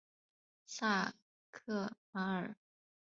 萨克马尔。